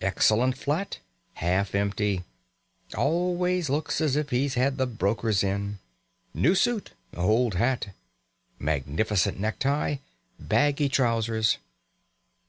Excellent flat half empty! Always looks as if he'd had the brokers in. New suit old hat! Magnificent necktie baggy trousers!